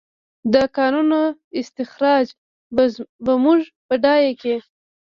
د کانونو استخراج به موږ بډایه کړي؟